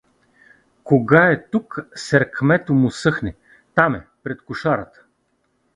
Кога е тук, серкмето му съхне, там е… пред кошарата.